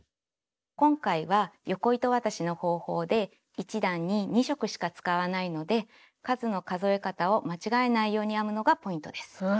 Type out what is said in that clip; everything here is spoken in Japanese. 今回は横糸渡しの方法で１段に２色しか使わないので数の数え方を間違えないように編むのがポイントです。